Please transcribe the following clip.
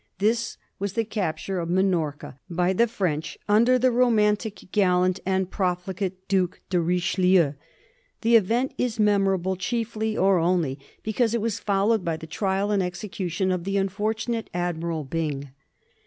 This was the capture of Minorca by the French under the roman tic, gallant, and profligate Due de Richelieu. The event is memorable chiefly, or only, because it was followed by the trial and execution of the unfortunate Admiral Byng.